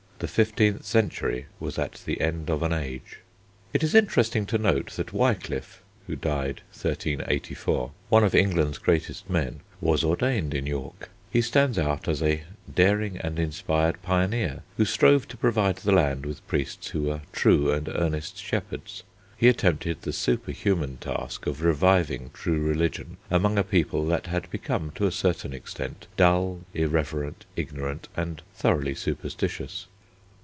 The fifteenth century was at the end of an age. It is interesting to note that Wiclif (d. 1384), one of England's greatest men, was ordained in York. He stands out as a "daring and inspired pioneer" who strove to provide the land with priests who were true and earnest shepherds. He attempted the superhuman task of reviving true religion among a people that had become to a certain extent dull, irreverent, ignorant, and thoroughly superstitious.